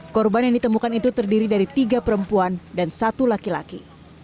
korban yang ditemukan itu terdiri dari tiga perempuan dan satu laki laki